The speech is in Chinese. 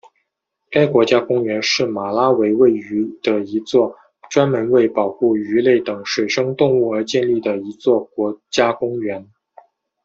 该国家公园是马拉维位于的一座专门为保护鱼类等水生动物而建立的一座国家公园。